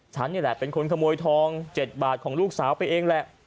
ฉันนี่แหละเป็นคนขโมยทอง๗บาทของลูกสาวไปเองแหละ